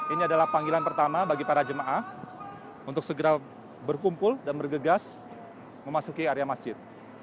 ini adalah panggilan pertama bagi para jemaah untuk segera berkumpul dan bergegas memasuki area masjid